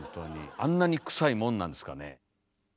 あんなにクサいもんなんですかね？